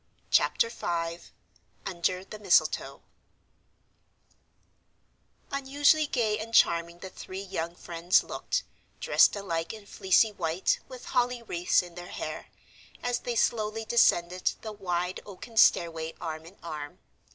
Chapter V UNDER THE MISTLETOE Unusually gay and charming the three young friends looked, dressed alike in fleecy white with holly wreaths in their hair, as they slowly descended the wide oaken stairway arm in arm.